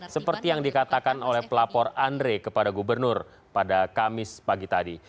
seperti yang dikatakan oleh pelapor andre kepada gubernur pada kamis pagi tadi